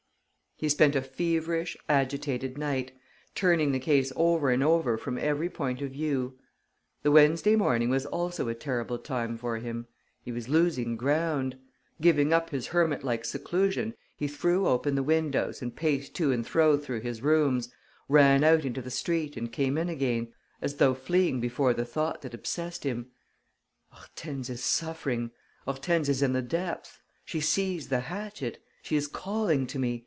He spent a feverish, agitated night, turning the case over and over from every point of view. The Wednesday morning was also a terrible time for him. He was losing ground. Giving up his hermit like seclusion, he threw open the windows and paced to and fro through his rooms, ran out into the street and came in again, as though fleeing before the thought that obsessed him: "Hortense is suffering.... Hortense is in the depths.... She sees the hatchet.... She is calling to me....